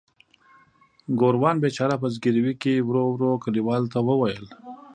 ګوروان بیچاره په زګیروي کې ورو ورو کلیوالو ته وویل.